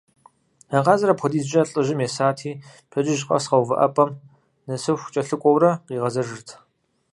А къазыр апхуэдизӏэ лӏыжьым есати, пщэдджыжь къэс къэувыӏэпӏэм нэсыху кӏэлъыкӏуэурэ къигъэзэжырт.